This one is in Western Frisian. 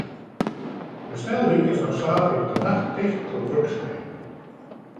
De sneldyk is no saterdeitenacht ticht troch wurksumheden.